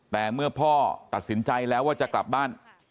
แต่เมื่อพ่อตัดสินใจแล้วว่าจะกลับบ้าน